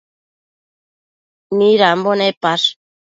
Midambo nepash?